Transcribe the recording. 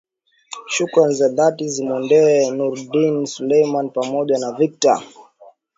shukran za dhati zimwendee nurdin sulemani pamoja na victor